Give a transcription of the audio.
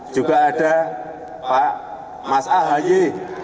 juga ada pak mas ahy